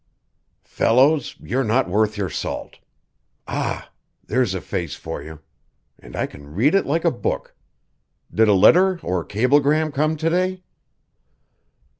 _" "_Fellows, you're not worth your salt. Ah! there's a face for you, and I can read it like a book. Did a letter or cablegram come to day?